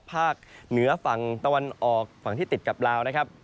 ภาคเหนือฝั่งตะวันออกฝั่งที่ติดกับลาวนะครับ